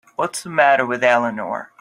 What's the matter with Eleanor?